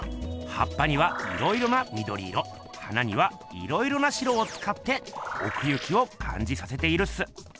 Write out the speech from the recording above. はっぱにはいろいろなみどり色花にはいろいろな白をつかっておく行きをかんじさせているっす。